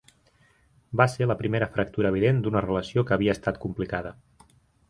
Va ser la primera fractura evident d’una relació que havia estat complicada.